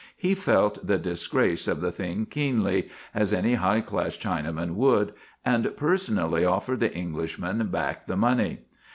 He felt the disgrace of the thing keenly, as any high class Chinaman would, and personally offered the Englishman back the money.